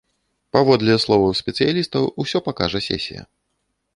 Паводле словаў спецыялістаў, усё пакажа сесія.